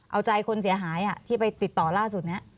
เอาใจคนเสียหายที่ไปติดต่อล่าสุดนี้